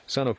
佐野。